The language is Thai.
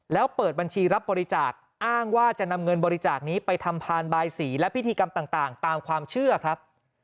แล้วเปิดบัญชีรับบริจาคอ้างว่าจะนำเงินบริจาคนี้ไปทำพานบายสีและพิธีกรรมต่างตามความเชื่อครับ